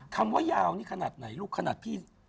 คำว่ายาวนี่ขนาดไหนลูกขนาดพี่